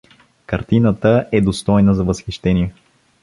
Картината е достойна за възхищение.